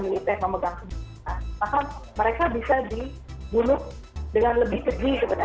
maka mereka bisa dibunuh dengan lebih seji sebenarnya